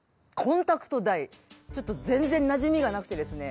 ちょっと全然なじみがなくてですね。